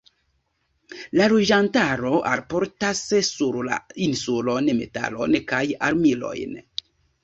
La loĝantaro alportas sur la insulon metalon kaj armilojn.